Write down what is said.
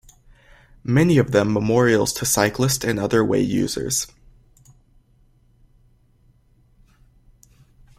Many of them memorials to cyclists and other way users.